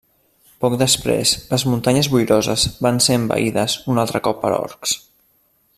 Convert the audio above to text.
Poc després les Muntanyes Boiroses van ser envaïdes un altre cop per orcs.